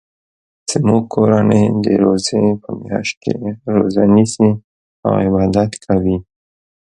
زموږ کورنۍ د روژی په میاشت کې روژه نیسي او عبادت کوي